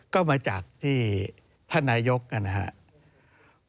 ก็มาจากที่ท่านนายกนะครับ